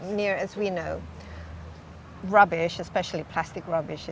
kebenaran terutama kebenaran plastik